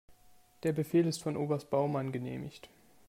Der Befehl ist von Oberst Baumann genehmigt.